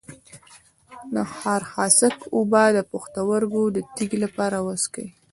د خارخاسک اوبه د پښتورګو د تیږې لپاره وڅښئ